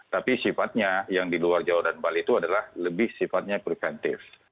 tapi sifatnya yang di luar jawa dan bali itu adalah lebih sifatnya preventif